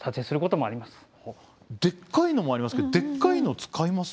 でっかいのもありますけどでっかいの使います？